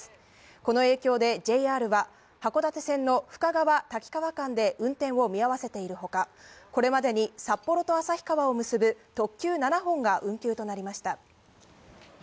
この影響でＪＲは函館線の深川ー滝川間で運転を見合わせているほか、これまでに札幌と旭川を結ぶ特急７本が運休となりました。